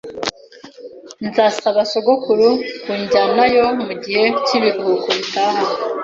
Nzasaba sogokuru kunjyanayo mugihe cyibiruhuko bitaha.